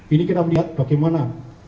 ini kita melihat bagaimana